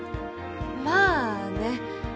まあね。